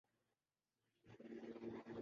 سختی سے مذمت ہوئی ہے